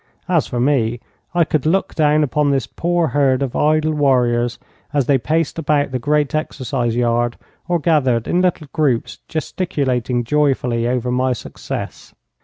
As for me I could look down upon this poor herd of idle warriors, as they paced about the great exercise yard, or gathered in little groups, gesticulating joyfully over my success.